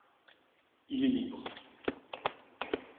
Il est libre...